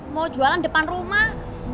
mau jualan depan rumah